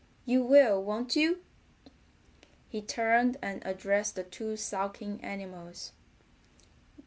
You will, won't you?" He turned and addressed the two sulking animals.